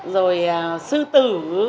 rồi sư tử